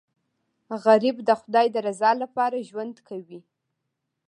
غریب د خدای د رضا لپاره ژوند کوي